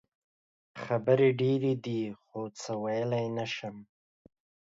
خبرې ډېرې دي خو څه ویلې نه شم.